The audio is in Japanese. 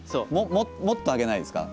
もっと上げないですか？